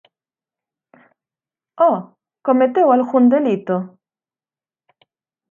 Oh, cometeu algún delito!